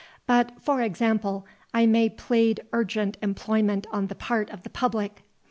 —But, for example, I may plead urgent employment on the part of the public."